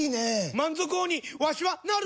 満足王にわしはなる！